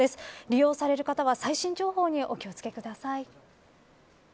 利用される方は最新情報にお気を付けください。